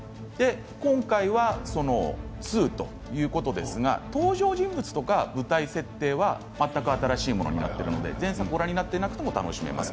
今回は、その２ということですが登場人物とか舞台設定は全く新しいものになっているので前作をご覧になっていなくても楽しめます。